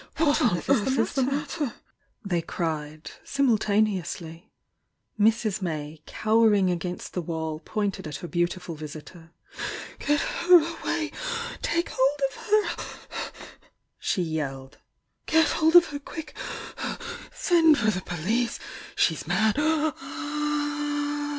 What on earth is the mat ter f they cried, sunultaneously. Mrs. Alay cowering against the wall, pointed at her beautiful visitor. "rlTl!!,u''^Jif"'"^' Get hold of her!" she yelled. Get hold of her quick ! Send for the police ! She's mad